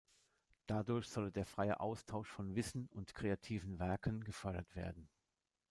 Dadurch solle der freie Austausch von Wissen und kreativen Werken gefördert werden.